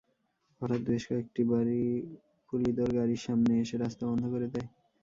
হঠাৎ বেশ কয়েকটি গাড়ি পুলিদোর গাড়ির সামনে এসে রাস্তা বন্ধ করে দেয়।